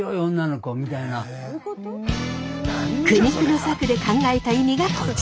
苦肉の策で考えた意味がこちら。